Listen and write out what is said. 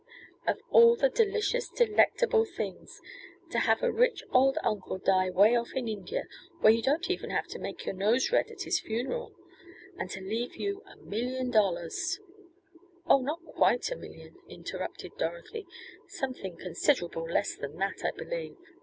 "Of all the delicious, delectable things! To have a rich, old uncle die 'way off in India, where you don't even have to make your nose red at his funeral. And to leave you a million dollars " "Oh, not quite a million," interrupted Dorothy. "Something considerable less than that, I believe."